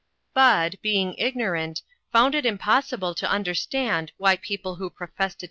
Bud, being ignorant, found it impossible to understand why people who professed to 3 TO INTERRUPTED.